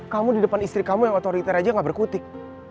kamu di depan istri kamu yang otoriter aja gak berkutik